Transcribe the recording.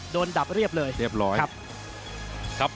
โดนดับเรียบเลยครับครับเรียบร้อย